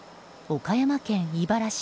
岡山県井原市。